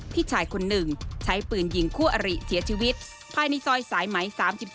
พี่ชายคนหนึ่งใช้ปืนยิงคู่อริเสียชีวิตภายในซอยสายไหม๓๒